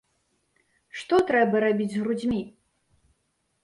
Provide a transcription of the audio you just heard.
Што трэба рабіць з грудзьмі?